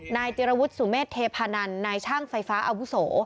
นายจิรวุฒิสุเมษเทพานันนายช่างไฟฟ้าอาวุโส